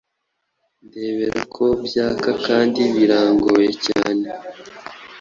Ndebera ko byaka kandi birangoye cyane